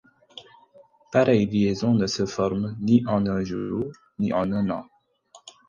Pareilles liaisons ne se forment ni en un jour, ni en un an.